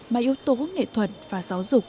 mà yếu tố nghệ thuật và giáo dục